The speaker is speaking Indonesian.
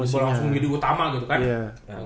langsung menjadi utama gitu kan